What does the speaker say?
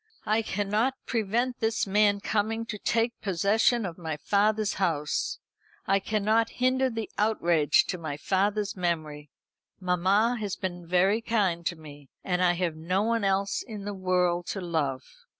"I cannot prevent this man coming to take possession of my father's house. I cannot hinder the outrage to my father's memory. Mamma has been very kind to me and I have no one else in the world to love."